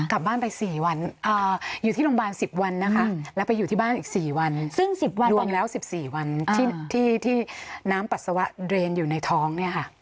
กลับบ้านไป๔วันอยู่ที่โรงพยาบาล๑๐วันนะคะแล้วไปอยู่ที่บ้านอีก๔วันซึ่ง๑๐วันรวมแล้ว๑๔วันที่น้ำปัสสาวะเดรนอยู่ในท้องเนี่ยค่ะ